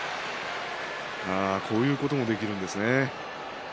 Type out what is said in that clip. こういうこともできるんですね。